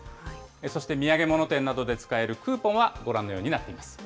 そして土産物店などで使えるクーポンは、ご覧のようになっています。